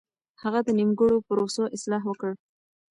هغه د نيمګړو پروسو اصلاح وکړه.